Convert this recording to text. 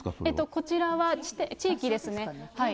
こちらは地域ですね。